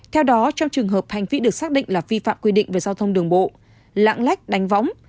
theo đó trong trường hợp hành phí được xác định là vi phạm quy định về giao thông đường bộ lạng lách đánh võng